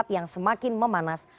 yang semakin memanas